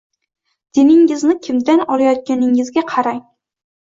Diningizni kimdan olayotganingizga qarang.